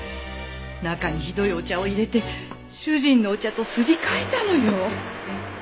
中にひどいお茶を入れて主人のお茶とすり替えたのよ！